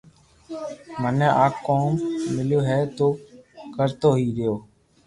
مني آ ڪوم ميليو ھي تو ڪرتو ھي رھيو